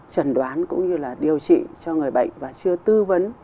trần đoán cũng như là điều trị cho người bệnh và chưa tư vấn